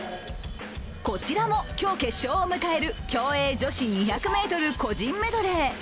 こちらも今日決勝を迎える競泳女子２００ｍ個人メドレー。